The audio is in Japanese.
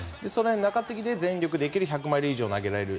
中継ぎで全力で行ける１００マイル以上投げられる。